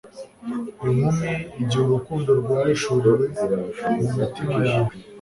inkumi, igihe urukundo rwahishuriwe mumitima yawe